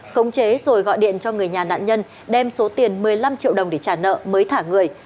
khống chế rồi gọi điện cho người nhà nạn nhân đem số tiền một mươi năm triệu đồng để trả nợ mới thả người